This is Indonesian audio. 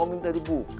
oh mau minta dibuka